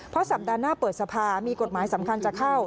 เพราะสัปดาห์หน้าเปิดสภามีกฎหมายสำคัญจะเข้า